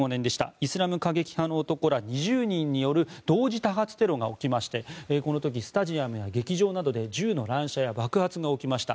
イスラム過激派の男ら２０人による同時多発テロが起きましてこの時、スタジアムや劇場などで銃の乱射や爆発などが起きました。